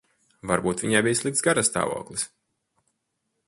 Varbūt viņai bija slikts garastāvoklis.